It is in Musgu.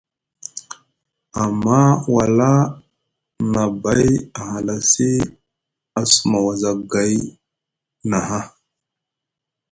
Amma wala a bay a halasi a suma wazagay nʼaha.